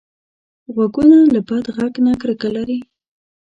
غوږونه له بد غږ نه کرکه لري